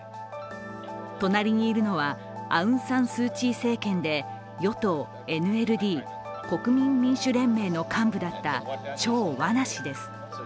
隣にいるのは、アウン・サン・スー・チー政権で与党ＮＬＤ＝国民民主連盟の幹部だったチョウ・ワナ氏です。